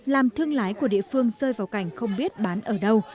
làm thương lái của địa phương rơi vào cảnh không biết bán ở đâu